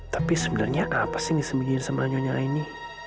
tapi sebenarnya kenapa sih nisembagiin sama nyonya aini